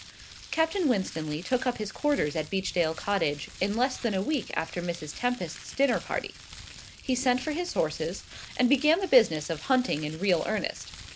Captain Winstanley took up his quarters at Beechdale Cottage in less than a week after Mrs. Tempest's dinner party. He sent for his horses, and began the business of hunting in real earnest.